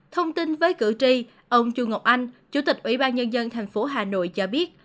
thông tin với cử tri ông chu ngọc anh chủ tịch ủy ban nhân dân thành phố hà nội cho biết